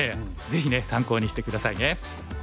ぜひね参考にして下さいね。